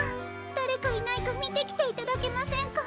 だれかいないかみてきていただけませんか？